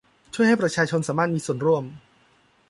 จะช่วยให้ประชาชนสามารถมีส่วนร่วม